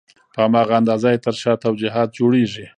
په هماغه اندازه یې تر شا توجیهات جوړېږي.